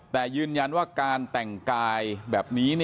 แต่ยืนยันว่าการแต่งกายแบบนี้